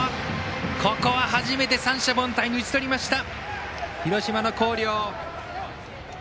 ここは初めて三者凡退に打ち取りました。